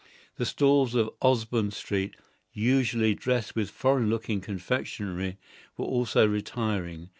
The stalls of Osborn Street, usually dressed with foreign looking confectionery, were also retiring.